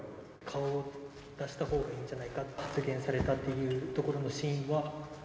顔を出したほうがいいんじゃないかと発言されたっていうところの真意は。